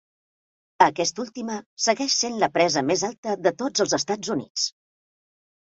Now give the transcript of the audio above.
Aquesta última segueix sent la presa més alta de tots els Estats Units.